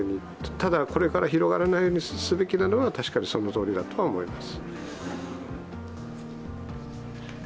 ただ、これから広がらないようにすべきなのは、確かにそのとおりだと思います。